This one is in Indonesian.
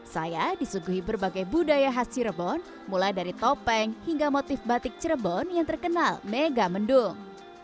saya disuguhi berbagai budaya khas cirebon mulai dari topeng hingga motif batik cirebon yang terkenal mega mendung